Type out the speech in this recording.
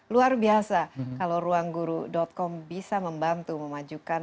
luar biasa kalau ruangguru com bisa membantu memajukan